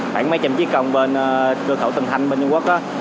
khoảng mấy trăm chiếc công bên cơ khẩu tân thanh bên trung quốc